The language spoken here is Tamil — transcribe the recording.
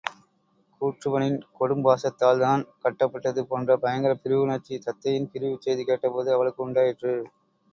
கூற்றுவனின் கொடும்பாசத்தால் தான் கட்டப்பட்டது போன்ற பயங்கரப் பிரிவுணர்ச்சி தத்தையின் பிரிவுச் செய்தி கேட்டபோது அவளுக்கு உண்டாயிற்று.